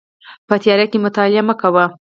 په تیاره کې مطالعه مه کوئ